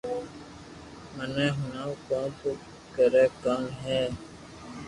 مني ھڻاو ڪو تو ڪري ڪاو ھي